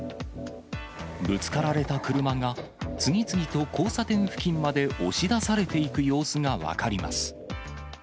ぶつかられた車が、次々と交差点付近まで押し出されていく様子が分かります。